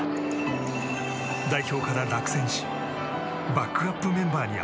代表から落選しバックアップメンバーに